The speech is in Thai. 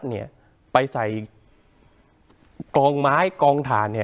ก็ไปใส่กองไม้กองถ่าน